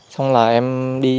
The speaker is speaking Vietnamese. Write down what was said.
xong là em đi